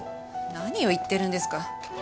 何を言ってるんですか。